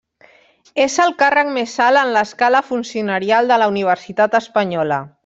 És el càrrec més alt en l'escala funcionarial de la universitat espanyola.